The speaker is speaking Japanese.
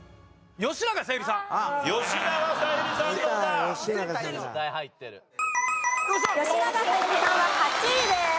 吉永小百合さんは８位です。